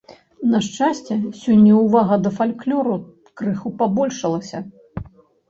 На шчасце, сёння ўвага да фальклору крыху пабольшылася.